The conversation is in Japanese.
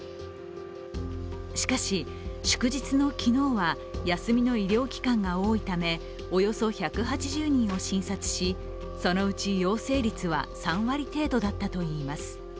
しかし、祝日の昨日は休みの医療機関が多いためおよそ１８０人を診察し、そのうち陽性率は３割程度だったといいます。